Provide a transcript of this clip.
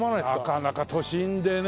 なかなか都心でね